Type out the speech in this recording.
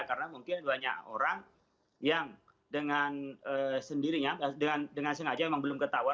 karena mungkin banyak orang yang dengan sendirinya dengan sengaja memang belum ketahuan